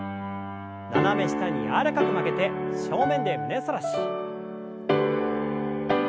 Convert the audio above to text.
斜め下に柔らかく曲げて正面で胸反らし。